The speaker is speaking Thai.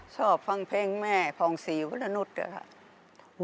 ชอบฟังเพลงแม่ภองศรีวรระนุษธ์ครับ